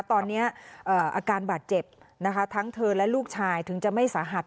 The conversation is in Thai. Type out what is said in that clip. ตอนนี้อาการบาดเจ็บนะคะทั้งเธอและลูกชายถึงจะไม่สาหัส